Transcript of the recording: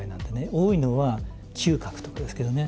多いのは嗅覚とかですけどね。